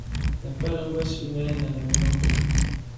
La pâle angoisse humaine a-la mélancolie